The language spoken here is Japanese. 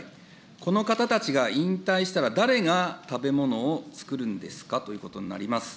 この方たちが引退したら、誰が食べ物を作るんですかということになります。